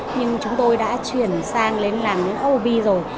nhưng chúng tôi đã chuyển sang đến làng ob rồi